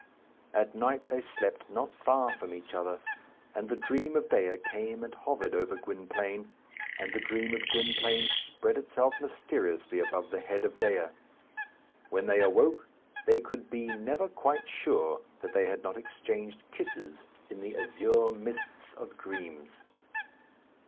At night they slept not far from each other; and the dream of Dea came and hovered over Gwynplaine, and the dream of Gwynplaine spread itself mysteriously above the head of Dea. When they awoke they could be never quite sure that they had not exchanged kisses in the azure mists of dreams.